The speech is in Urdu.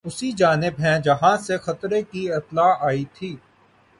اسی جانب ہیں جہاں سے خطرے کی اطلاع آئی تھی